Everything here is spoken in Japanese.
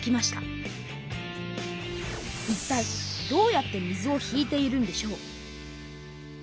いったいどうやって水を引いているんでしょう。